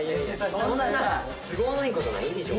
そんなさ都合のいい事ないでしょ。